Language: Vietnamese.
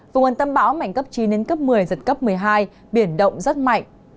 vùng gần tâm bão mạnh cấp chín đến cấp một mươi giật cấp một mươi hai biển động rất mạnh